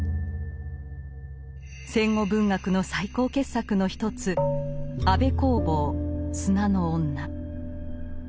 戦後文学の最高傑作の一つ安部公房「砂の女」。